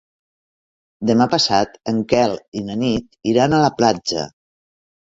Demà passat en Quel i na Nit iran a la platja.